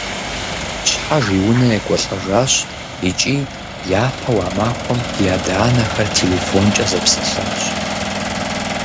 Щхьэж и унэ екӀуэлӀэжащ, икӀи япэу а махуэм ди адэ-анэхэр телефонкӀэ зэпсэлъащ.